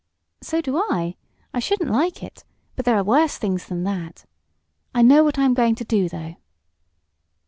"So do I. I shouldn't like it, but there are worse things than that. I know what I am going to do, though."